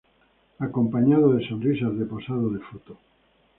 acompañado de sonrisas de posado de foto